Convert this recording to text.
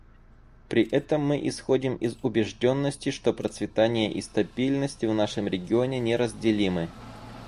При этом мы исходим из убежденности, что процветание и стабильность в нашем регионе неразделимы.